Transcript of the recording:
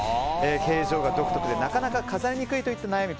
形状が独特でなかなか飾りにくいといった悩み